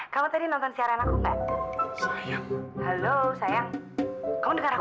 kamu tadi nonton siaran aku nggak